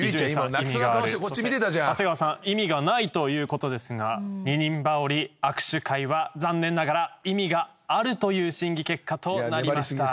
そして長谷川さん意味がないということですが二人羽織握手会は残念ながら意味があるという審議結果となりました。